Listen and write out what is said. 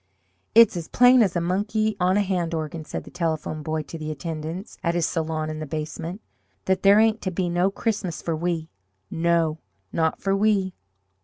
"It's as plain as a monkey on a hand organ," said the Telephone Boy to the attendants at his salon in the basement, "that there ain't to be no Christmas for we no, not for we!"